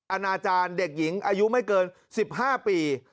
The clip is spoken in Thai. อาณาจารย์เด็กหญิงอายุไม่เกิน๑๕ปี